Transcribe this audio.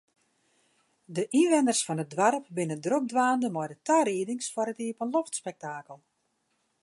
De ynwenners fan it doarp binne drok dwaande mei de tariedings foar it iepenloftspektakel.